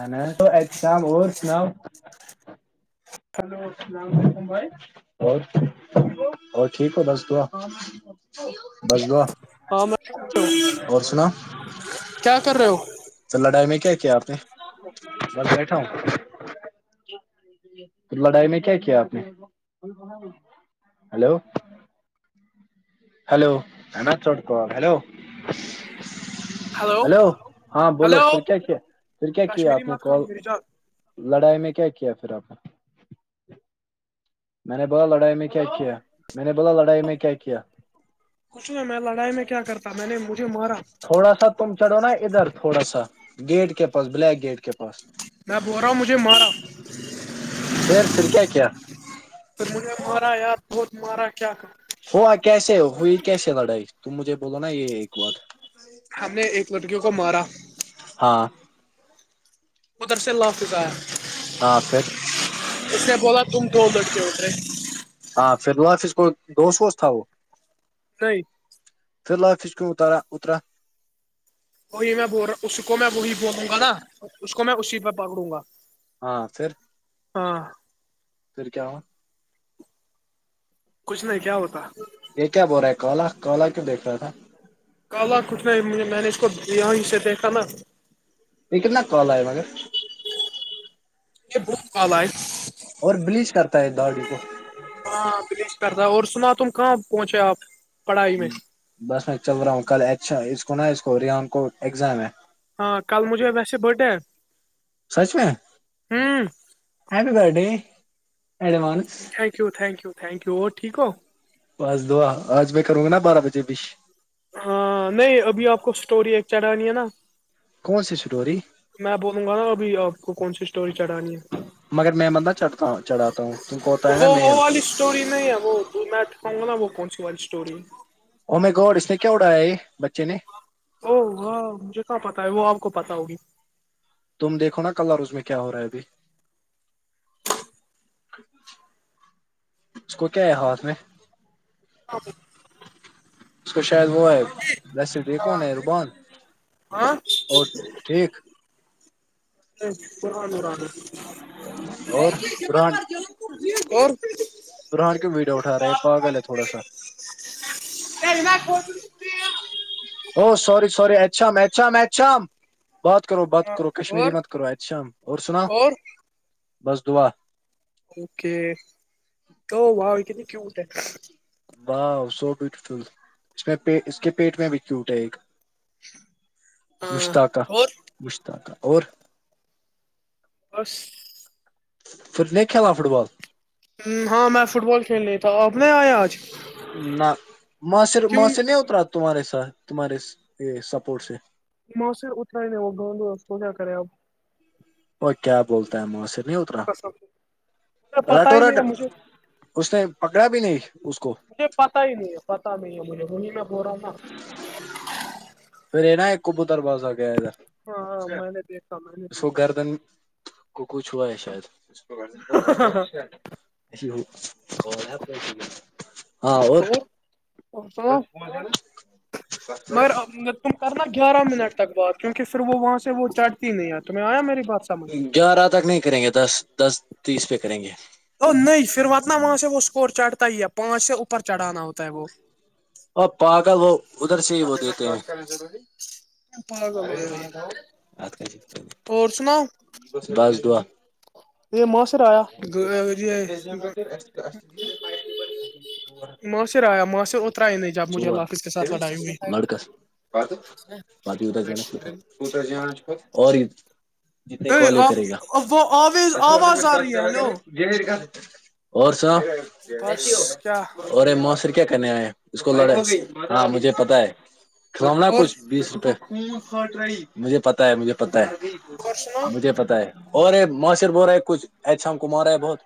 ان تو احت شام اور سناؤ ہلو اللاملیکم بھائی اور اور ٹھیک ہو بس دعا بس گ ہاں میں اور سناو کیا کر رہے ہو تو لڑائی میں کیا کیا آپ نے بس بیٹھا ہوں تو لڑائی میں کیا کیا آپ نے ہلو ہیلو چٹ ہلو ہلو ہاں بولو ہلو پھر کیا کیا پھر کیا کیا کشمیری آپ نے مات کرو کال میری جان لڑائی میں کیا کیا پھر آپ نے میں نے بولا لڑائی میں کیا کیا میں نے بولا لڑائی میں کیا کیا کچھ نہیں میں لڑائی میں کیا کرتا میں نے مجھے مارا تھوڑا سا تم چڑو نا ادھر تھوڑا سا گیٹ کے پاس بلییک گیٹ کے پاس میں بول رہا ہوں مجھے مارا خیر سھر کیا کیا تو مجھ نے مارا یار بہت مارا کیا کر ہوا کیسے ہوئی کیسے لڑائی تم مجھے بولو نا یہ ایک بار ہم نے ایک لڑکیوں کو مارا ہاں قدر سے لافظیا ہاں پھر اس نے بولا تم دو لٹکے اترے ہاں ف ال وہاف اس کو دوش ووش تھا وہ سئی فی الحال پسکن اتار اترا وہ یہ میں بول رہ ہوں اس کو میں وہی بولوں گا نا اس کو میں اسی پہ پکڑوں گا ہاں سر ہاں پھر کیا ہووں کچھ نہیں کیا ہوتا یہ کیا بول رہا ہے کولا کولا کیوں دیکھ رہا تھا کالا کچھ نہیں مجھے میں نے اس کو یہیں سے دیکھا نا یہ کتنا کال آ ہے مگر یہ بہت کالا ہے اور بلیچ کرتا ہے داڑی کو ہاں بلیچ کرتا اور سنا تم کہاں پہنچے آپ پڑھائی میں بس میں چل رہا ہوں کل اچھا اس کو نا اس کو ریان کو ایگزام ہے ہاں کل مجھے ویسے برتھ ڈے ہے سچ میں happy birthday advance thank you thank you thank you اور ٹیک ہو پس دعا آج میں کروں گا نا بارہ بجے بھیش ہاں نہیں ابھی آپ کو اسٹوری ایک چڑھانی ہے نا کون سی اسٹوری میں بولوں گا نا ابھی آپ کو کون سی اسٹوری چڑھانی ہے مگر میں مت نہ چڑھتا چڑھاتا ہوں تم کو ہوتا ہے نا وہ وہ میل والی اسٹوری نہیں ہے وہ تو میں اٹھاؤںا وہ کون سی والی اسٹوری ا میں گوڈ اس نے کیا اڑایا ہے بچے نے او و مجھے کیا پتاہ ہے وہ آپ کو پتا ہوگا تم دیکھو نا کلر اور اس میں کیا ہو رہا ہے ابھی اس کو کیا ہے ہاتھ میں؟ [inaudible] اس کو شاید وہ ہے بسٹ کون ہے رروبان ہاں [inaudible] اور دران جی اور برہان کی ویڈیو اٹھا رہا ہے پاگل ہے تھوڑا سا [unintelligible] ہو سوری سور ی اچھااھام اام بات کرو بات کرو کشمیری اور مت کرو اسے شام اور سنا بس دعا اوکے تو و کہنی کیٹ ہے واہ سو بیوٹیفل اس میں اس کے پیٹ میں بھی کیوٹ ہے ایک ہاں مشتاقہ اور مشتاقہ اور بس پھر نہیں کھیلا فٹبال ہاں میں فٹ بال کھیلنا تھا آپ نہیں آیے آج نہ وہاں سےر کیوں وہاں سے نہیں اترا تمہارے ساتھ تمہارے یہ سپورٹ سے موسن اتر ہی نہیں وہ گاؤ کو کیا کرے اب اور کیا بولتا ہےماسرر نہیں اترا قسم مجھے پتا رٹو ہی رٹ نہیں ہے مجھے اس نے پکڑا بھی نہیں اس کو مجھے پتا ہی نہیں ہے پتا نہیں ہے مجھے وہیں میں بول رہا نا پھر یہ نا ایک کبوتر بازار گیا ادھر ہاں م میں نے دیکھا میں نے اس کو دیکھا گردن کو کچھ ہوا ہے شاید [unintelligible] ہاں اور اور سناؤ [inaudible] سس مگر تم کرنا گیارہ منٹ تک بات کیونکہ پھر وہ وہاں سے وہ چڑھتی نہیں ہے تمہیں آیا میری بات سمجھ [unintelligible] گیارہ تک نہیں کریں گے دس دس تیس پہ کریں گے ا نہیں پھر وہتنا وہاں سے وہ اسکور چڑھتا ہی ہے پانچ سے اوپر چڑھانا ہوتا ہے وہ اور پاگل وہ ادھر سے ہی وہ دیتے ہیں ضروری پ گلو یار اور سناؤ بس دعا یہ ماسر آیا جار ر آیا ماں سے اترا ہی نہیں جب مجھے اللہاخظ کے ساتھ لڑائی ہوئی ات بات اتر جانات جانا اور جتنے کالے کرے گا آپ وہ آویز آواز آ اچھا رہی ہے ہلو کرے اور سنا بس کیا اورے مسری کیا کرنے آئے اس کو لڑے معاشر ہاں مجھے پتا ہے کھلنا اور کچھ بیس روپئے مجھے پتا ہے مجھے پتا ہے اور سناؤ مجھے پتا ہے ہو رہے ماشر ب ہو رہا ہے کچھ ایھام کو مار رہا ہے بہت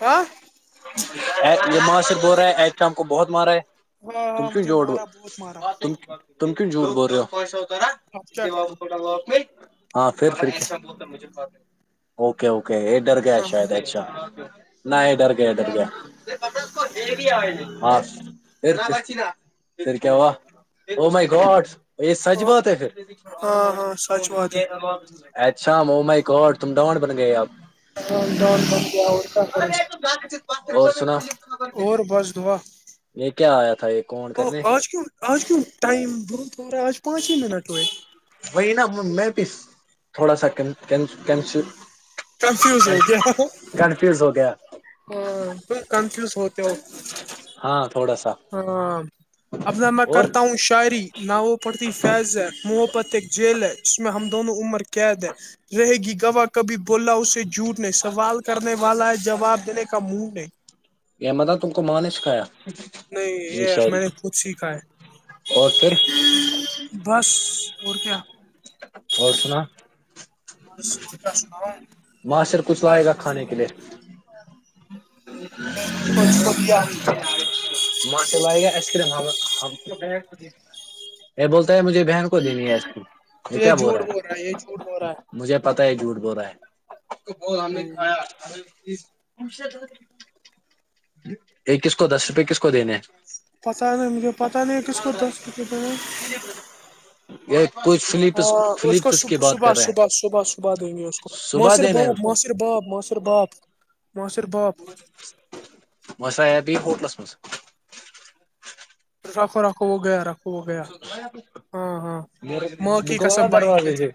ہاں ا یہ معا سے ب رہا ہے ا ہم کو بہت مارا ہے ہاں تم ہاں کیوں مجھے جوڑو مارا بہت مارا ت تن ج ب اب کیا کروں ہاں پھر ف اوکے اوکے یہ ڈر گیا ہاں شاید ا نہیں ادھر گیا ادھر گیا ہ س کیاا م گڈ ا سچہ اور بات ہے پھر ہاں ہاں سچ بات ہے اچھا موم کو تم ڈاان بن گئے آپ ہی آ کا کون ب اور سنا اور بس دعا یہ کیا آیا تھا ایک ا آز کم آز کم ائم بر تھوڑا آج پانچ ہی منٹ وت وہی نا میں بھی تھوڑا سا کنفیوز ہو گیا کنفیوز ہو گیا ہاں تو کنفیوز ہوتے ہو ہاں تھوڑا سا ہاں ابنا میں اور کرتا ہوں شاعری نہ وہ پڑتی فیض ہے محبت ایک جیل ہے جس میں ہم دونوں عمر قید ہے رہے گی گواہ کبھی بولا اسے جھوٹنے سوال کرنے والا ہے جواب دینے کا کا منڈ ہے متب تم کو ماں نے سکھایا نہیں یہ میں نے خود سیکھا ہے اور پھر بس اور کیا اور سنا سناالا ماںشر کچھ لائے گا کھانے کے لیے [inaudible] ماں سے لائے گا آئس کریم یہ ب مجھے بہن کو دینی ہے اس کی یہ کیا بول جھوٹ رہا یہ ہے جھوٹ بول رہا ہے مجھے پتا ہے جھوٹ بول رہا ہے نے کھایا یہ کس کو دس روپئے کس کو دینے پتا نہیں مجھے پتا نہیں کس کو دس روپے یہ کچھ فلپس ہاں اس کو فلپس صب کی بات صبح کر رہے صبح ہیں صبح صبح دیں گے اس کو صبح موسر دینا ہے باپ اس کو موسر باپ موسر باپ ماسر باپ مسا آ ہووٹلس م رکھو رکھو وہ گیا رکھو وہ گیا ہاں ہاں ماں کی دک قسم بائک پہ دروجے سے تھا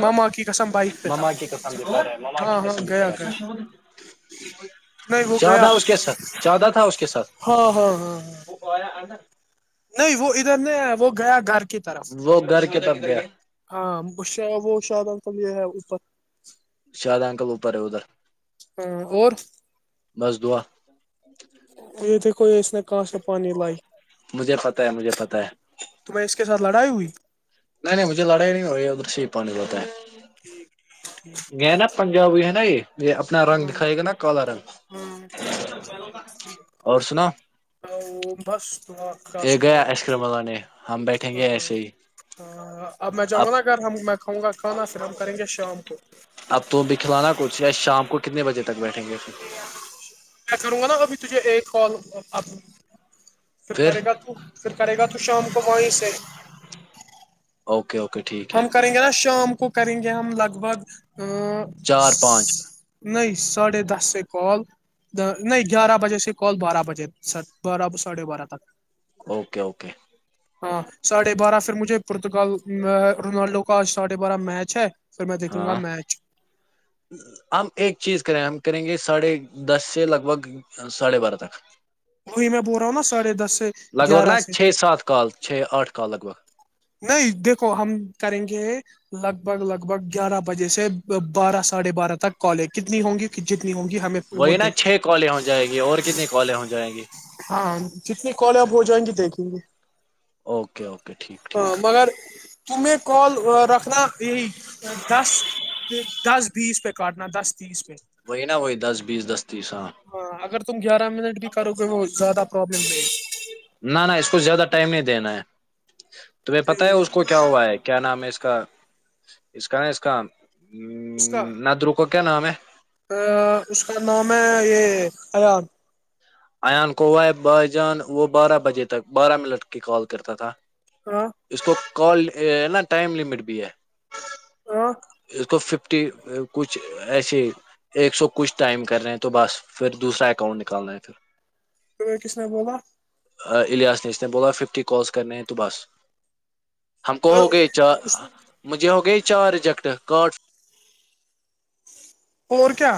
ماما کی قسم بائک پہ تھا مما کی کسمندار مما کی ہاں ہاں گیا کسندار گیا نہیں وہ گیا زیادہ اس کے ساتھ زیادہ تھا اس کے ساتھ ہاں ہاں ہاں نہیں وہ ادھر نہیں ہے وہ گیا گھر کی طرف وہ گھر کی طرف گیا ہاں ب ش بہشد سم یہ شادہ اکل اوپر ہے ادھر ہاں اور مض دع [inaudible] یہ تھ کوئی اس نے کاس سے پانی لائی مجھے پتا ہے مجھے پتا ہے تو میں اس کے ساتھ لڑائی ہوئی نہیں نہیں مجھے لڑائی نہیں ہوی ہے ادھر سے ہی پانی لتا ہے ٹھیک ٹھ ٹھیک گ نا پجابی ہےا یہ یہ اتنا رنگ ہاں دکھائے گا نا کلر اور سناو تو بس کیا یہ گیا سناؤ ایشکرم لگانے ہم بیٹھیں گے ہاں ایسے ہی ہاں ہاں اب میں جاؤں گا نا اگر ہم میں کھاؤں گا کھانا پھر ہم کریں گے شام کو اب تو بکھھلانا کچھ یا شام کو کتنے بجے تک بیٹھیں گے پھر میں کروں گا نا ابھی تجھے ایک کال آ پھر کرے گا تو پھر کرے گا تو شام کو وہیں سے اوکے اوکے ٹھیک ہے ہم کریں گے نا شام کو کریں گے ہم لگ بھگ چار پانچ نہیں ساڑھے دس سے کال نہیں گیارہ بجے سے کال بارہ بجے سر بارہ پ ساڑے بارہ تک اوکے اوکے ہاں ساڑھے بارہ پھر مجھے پورتگال رونالڈو کاج ساڑھے بارہ میچ ہے پھر میں دیکھوں گا میچ جی ہم ایک چیز کریں ہم کریں گے ساڑھے دس سے لگ بھگ ساڑھے بارہ تک وہی میں بول رہا ہوں نا ساڑھے دس سے لگ بھگ گیارہ نا سے چھ سات کال چھ آٹھ کال لگ بھگ نہیں دیکھو ہم کریں گے لگ بھگ لگ بھگ گیارہ بجے سے بارہ ساڑھے بارہ تک کالے کتنی ہوں گی جتنی ہوں گی ہمیں وہ وہی نا دے چھ کالیں ہو جائیں گی اور کتنی کالیں ہو جائیں گی ہاں جتنے کالے آپ ہو جائیں گے دیکھیں گے اوکے اوکے ٹھیک ٹھیک ہاں مگر تمہیں کال رکھنا یہی دس دس بیس پہ کاٹنا دس تیس پہ وہی نہا وہی دس بیس دستی س ہاں اگر تم گیارہ منٹ بھی کرو زیادہ پابلم نہ نہ اس کو زیادہ ٹائم نہیں دینا ہے تمہیں پتتا ہے گی اس کو کیا ہوا ہے کہ کیا نام ہے اس کا اس کا ن اس کا اس کا ناد رکو کیا نام ہے اس کا نام ہے یہ اییاان ایان کوو ہے بھائی جان وہ بارہ بجے تک بارہ منٹ کی کال کرتا تھا ہاں اس کو کال نا ٹائم لمٹ بھی ہے ہ اس کو ففٹی کچھ ایسے ایک سو کچھ ٹائم کر رہے ہیں تو بس پھر دوسرا اکاؤنٹ نکالنا ہے پھر تو کس نے بولا ایاس نے اس نے بولا ففٹی کالس کرنے ہیں تو بس ہم کو ہو گئی چار مجھے ہوگئی چار ریجیکٹ کارڈ اور کیا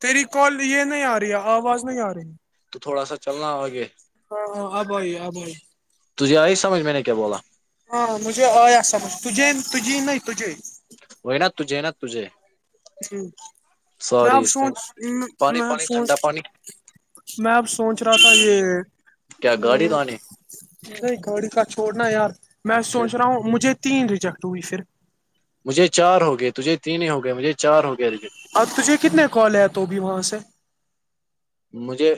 تیری کال یہ نہیں آ رہی ہے آواز نہیں آ رہی تو تھوڑا سا چلنا ہو آگے ہ ابھائی ابھائی تجھے آئی سمجھ میں نے کیا بولا ہاں مجھے آیا سمجھ تج تجی ن تج وہ نا تجے ہے نا تجھے جی میں سوری آپ اس سوچ پانی میں آپ پانی سوچ ٹھنڈا پانی میں اب سوچ رہا تھا یہ کیا گاڑی ا لانی نہیں گاڑی کا چھوڑنا یار میں پھر سوچ رہا ہوں مجھے تین ریجیکٹ ہوئی پھر مجھے چار ہو گئے تجھے تین ہی ہو گئے مجھے چار ہو گئے ای اور تجھے کتنے کال ہیں تو ابھی وہاں سے مجھے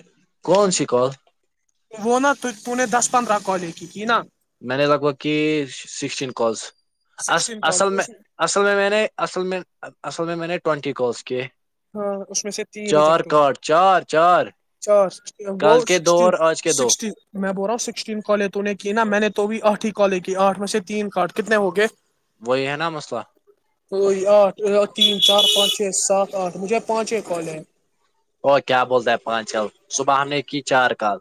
کون سی کال وہو نا توہ پون نے دس پندرہ کالج کیکی نا میں نے لگ بھگ کہ سکسٹین کالس سکسٹین کال اصل میں اس اصل میں میں نے اصل میں اصل میں میں نے ٹوینٹی کالس کیے ہاں اس میں سے چار کٹ چار چار اچھا وہ کل کے دو سکٹی اور آج کے دو سکٹی میں بول رہا ہوں سکسٹین کالج تووں نے کی نا میں نے تو بھی آٹھ ہی کالج کی آٹھ میں سے تین کارڈ کتنے ہو گئے وہی ہے نا مسلہ آٹھ تین چار پانچ چھ سات آٹھ مجھے پانچیں کال ہیں ا کیا بولتا ہے پانچ چل صبح ہم نے کی چار کال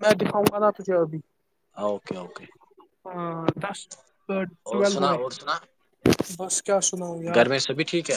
میں دکھاؤں گا نا تھے ابھی اوکے اوکے ہاں دس ا اور ٹویلو سنا ہوئے اور سنا بس کیا سناؤ گھر یار میں سبھی ٹھیک ہے